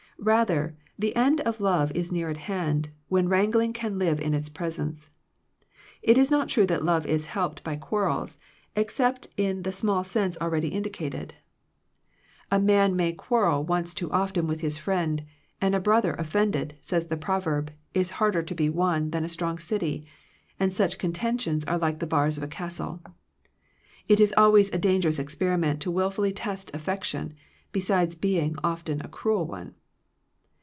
Rather, the end of love is near at hand, when wrangling can live in its presence. It is not true that love is helped by quarrels, except in the small sense already 168 Digitized by VjOOQIC THE RENEWING OF FRIENDSHIP indicated. A man may quarrel once too often with his friend, and a brother of fended, says the proverb, is harder to be won than a strong city, and such con tentions are like the bars of a castle. It is always a dangerous experiment to willfully test affection, besides being often a cruel one.